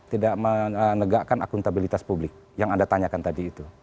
tidak menegakkan akuntabilitas publik yang anda tanyakan tadi itu